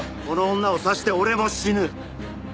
この女を刺して俺も死ぬ。